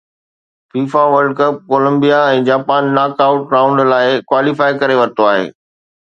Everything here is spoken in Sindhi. FIFA World Cup Colombia ۽ Japan knockout round لاءِ ڪواليفائي ڪري ورتو آهي